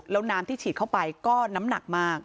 แล้วน้ำที่ฉีดเข้าไปก็น้ำหนักมาก